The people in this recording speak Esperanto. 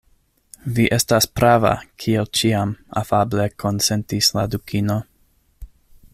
"Vi estas prava, kiel ĉiam," afable konsentis la Dukino.